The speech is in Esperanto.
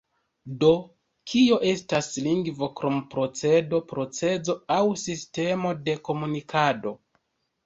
Do, kio estas lingvo krom procedo, procezo aŭ sistemo de komunikado?